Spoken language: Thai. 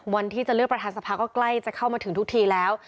วันที่จะเลือกประธานสภาก็ใกล้จะเข้ามาถึงทุกทีแล้ว